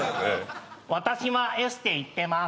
私はエステ行ってます。